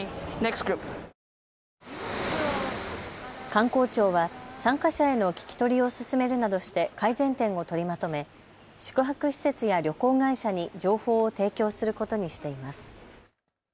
観光庁は参加者への聞き取りを進めるなどして改善点を取りまとめ宿泊施設や旅行会社に情報を提供することにしています。